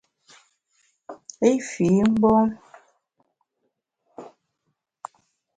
I fii mgbom.